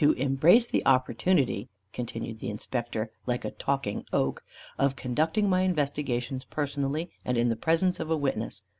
"To embrace the opportunity," continued the Inspector, like a talking oak, "of conducting my investigations personally, and in the presence of a witness.